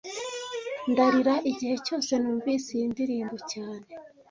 Ndarira igihe cyose numvise iyi ndirimbo cyane